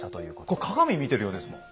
これ鏡見てるようですもん。